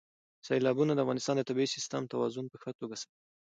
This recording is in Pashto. سیلابونه د افغانستان د طبعي سیسټم توازن په ښه توګه ساتي.